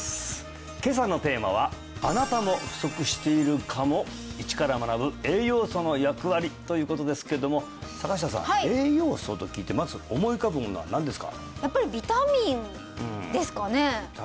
今朝のテーマはあなたも不足しているかも？ということですけども坂下さん栄養素と聞いてまず思い浮かぶものは何ですか？